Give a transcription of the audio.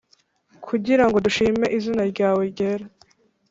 Kugirango dushime izina ryawe ryera